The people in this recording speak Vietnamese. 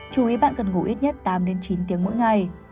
chú ý bạn cần ngủ ít nhất tám đến chín tiếng mỗi ngày